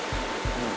うん。